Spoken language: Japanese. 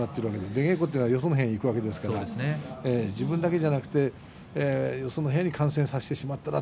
出稽古はよその部屋に行くわけですから、自分だけじゃなくてよその部屋に感染させてしまったら